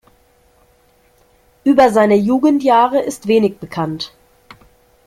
Über seine Jugendjahre ist wenig bekannt.